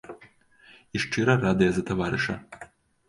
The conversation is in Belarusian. І шчыра радыя за таварыша.